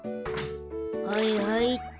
はいはいっと。